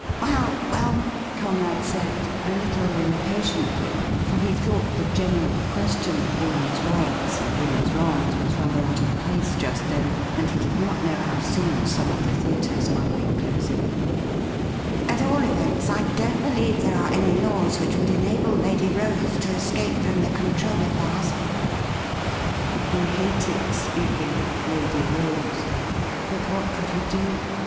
'Well, well,' Conrad said, a little impatiently, for he 276 THE RIDDLE RING thought the general question of woman''s rights and woman's wrongs was rather out of place just then, and he did not know how soon some of the theatres might be closing ;' at all events, I don't believe there are any laws which would enable Lady Rose to escape from the control of her husband.' He hated speaking of ' Lady Rose,' but what could he do